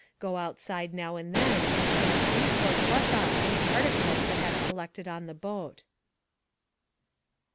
Go outside now and then, and sweep or flush off any particles that have collected on the boat.